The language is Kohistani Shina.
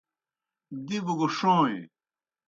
دِبوْ گہ ݜوئیں۔